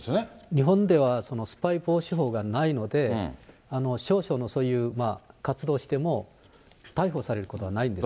日本ではスパイ防止法がないので、少々のそういう活動しても逮捕されることはないんですね。